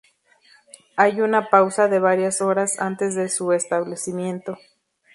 Hay una pausa de varias horas antes de su establecimiento.